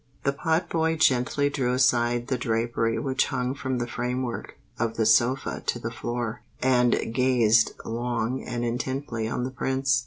The pot boy gently drew aside the drapery which hung from the framework of the sofa to the floor, and gazed long and intently on the Prince.